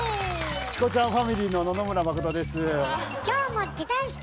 チコちゃんファミリーの野々村真です。